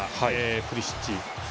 プリシッチ。